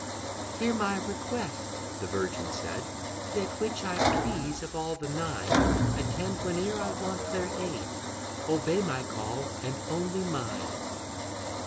"Hear my request," the virgin said; "Let which I please of all the Nine Attend, whene'er I want their aid, Obey my call, and only mine."